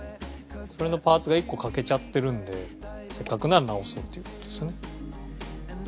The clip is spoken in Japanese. それのパーツが１個欠けちゃってるのでせっかくなら直そうっていう事ですね。